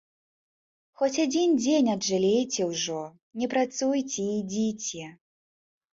Хоць адзін дзень аджалейце ўжо, не працуйце і йдзіце.